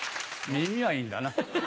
耳はいいんだな。